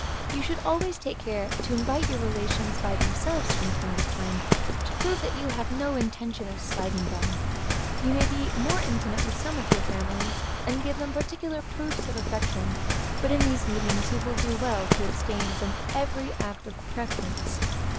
You should always take care to invite your relations by themselves from time to time, to prove that you have no intention of slighting them. You may be more intimate with some of your family, and give them particular proofs of affection; but in these meetings you will do well to abstain from every act of preference.